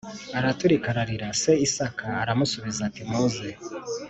araturika ararira Se Isaka aramusubiza ati muze